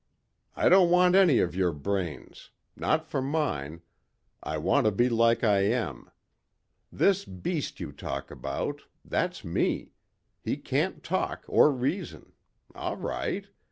"I don't want any of your brains. Not for mine. I want to be like I am. This beast you talk about.... That's me. He can't talk or reason.... All right.